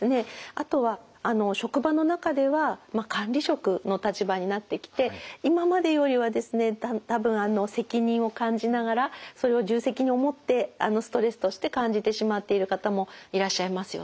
あとは職場の中では管理職の立場になってきて今までよりはですね多分責任を感じながらそれを重責に思ってストレスとして感じてしまっている方もいらっしゃいますよね。